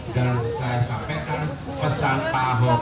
dan saya sampaikan pesan pak ho